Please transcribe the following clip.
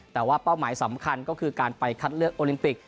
แต่ว่าเป้าหมายสำคัญก็คือการไปคัดเลือกโอลิมปิก